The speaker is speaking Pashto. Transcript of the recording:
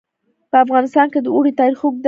په افغانستان کې د اوړي تاریخ اوږد دی.